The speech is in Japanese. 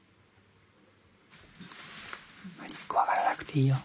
まり怖がらなくていいよ。